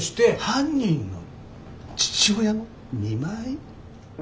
犯人の父親を見舞い？